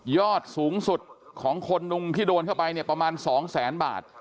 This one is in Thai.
ยอดสูงสุดของคนดูงที่โดนเข้าไปประมาณ๒๐๐๐๐๐บาท